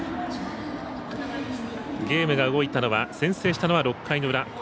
ゲームが動いたのは先制したのは６回の裏。